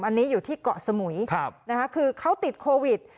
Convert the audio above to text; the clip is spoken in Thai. อันนี้อยู่ที่เกาะสมุยคือเขาติดโควิด